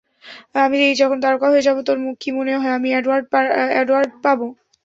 আমি যখন তারকা হয়ে যাব, তোর কি মনে হয় আমি এডওয়ার্ড পাব?